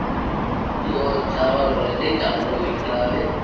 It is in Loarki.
تو او چاور رودين ٽاٻرو ني کراوي